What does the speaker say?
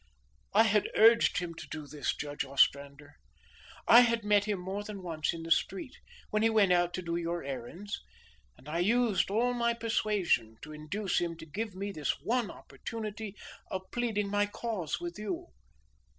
"I had urged him to do this, Judge Ostrander. I had met him more than once in the street when he went out to do your errands, and I used all my persuasion to induce him to give me this one opportunity of pleading my cause with you.